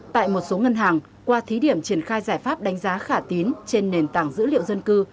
tại một số ngân hàng qua thí điểm triển khai giải pháp đánh giá khả tín trên nền tảng dữ liệu dân cư